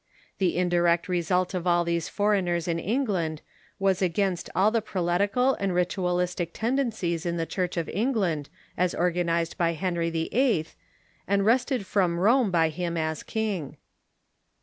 The indirect result of all these foreigners in England was against all the prelatical and ritualistic tenden cies in the Church of England as organized by Henry VIII. and wrested from Rome by him as king.